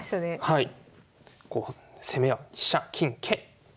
はい。